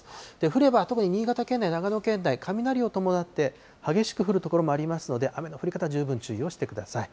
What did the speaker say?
降れば特に、新潟県内、長野県内、雷を伴って激しく降る所もありますので、雨の降り方に、十分注意をしてください。